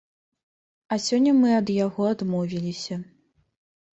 А сёння мы ад яго адмовіліся.